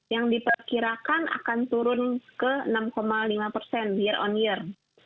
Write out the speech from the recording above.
yang diperkirakan akan turun ke enam lima persen year on year